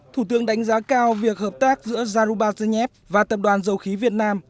thủ tướng đánh giá cao việc hợp tác giữa zarubazhnev và tập đoàn dầu khí việt nam